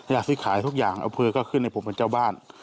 อยากซื้อขายทุกอย่างอำเภอก็ขึ้นให้ผมเป็นเจ้าบ้าน